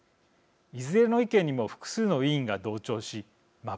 いずれの意見にも複数の委員が同調し真っ